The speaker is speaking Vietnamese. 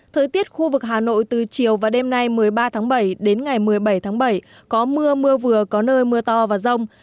thời tiết khu vực hà nội từ chiều và đêm nay một mươi ba tháng bảy đến ngày một mươi bảy tháng bảy có mưa mưa vừa có nơi mưa to và rông